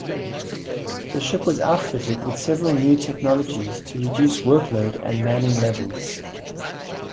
The ship was outfitted with several new technologies to reduce workload and manning levels.